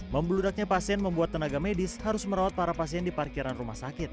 membeludaknya pasien membuat tenaga medis harus merawat para pasien di parkiran rumah sakit